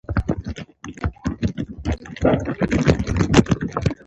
ما ورته وویل: شکر دی جوړ او روغ یم، پلاره.